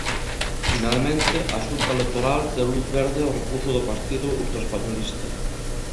Finalmente, a Xunta Electoral deu luz verde ao recurso do partido ultraespañolista.